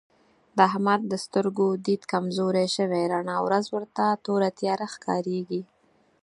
د احمد د سترګو دید کمزوری شوی رڼا ورځ ورته توره تیاره ښکارېږي.